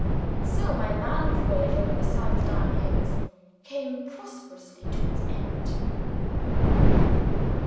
So my Land Voyage over the South Down Hills came prosperously to its end.